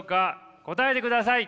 答えてください。